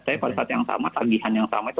tapi pada saat yang sama tagihan yang sama itu